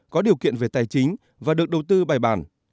có điều kiện về tài chính và được đầu tư bài bản